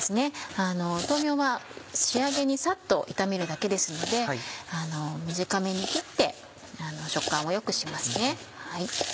豆苗は仕上げにサッと炒めるだけですので短めに切って食感をよくします。